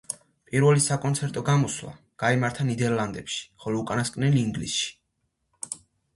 პირველი საკონცერტო გამოსვლა გაიმართა ნიდერლანდებში, ხოლო უკანასკნელი ინგლისში.